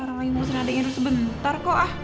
orang lain mau sering adeknya dulu sebentar kok ah